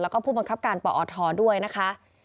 แล้วก็ผู้บังคับการปอทด้วยนะคะ